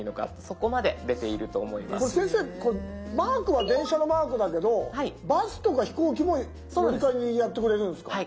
これマークは電車のマークだけどバスとか飛行機も乗り換えにやってくれるんですか？